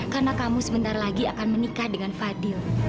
karena kamu sebentar lagi akan menikah dengan fadil